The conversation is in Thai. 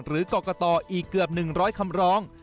หรือกรกตอีกเกือบ๑๐๐คำร้อง